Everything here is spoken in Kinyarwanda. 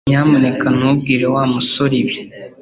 Nyamuneka ntubwire Wa musore ibi